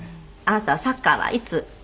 あなたはサッカーはいつ。